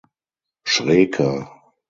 Schreker.